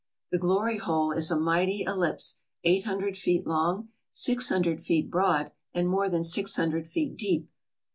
The Glory Hole is a mighty ellipse eight hundred feet long, six hundred feet broad, and more than six hundred feet deep.